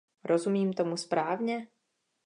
Rozumím tomu správně?